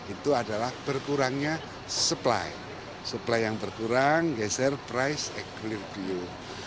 itu adalah berkurangnya supply supply yang berkurang geser price equidvio